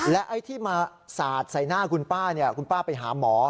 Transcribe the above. และไอ้ที่มาสาดใส่หน้าคุณป้าคุณป้าไปหาหมอ